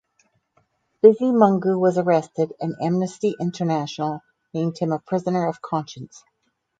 Bizimungu was arrested, and Amnesty International named him a prisoner of conscience.